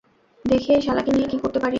দেখি এই শালাকে নিয়ে কি করতে পারি।